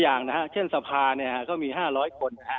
อย่างเช่นสภาพมี๕๐๐คน